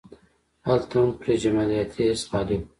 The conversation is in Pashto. هلته هم پرې جمالیاتي حس غالب و.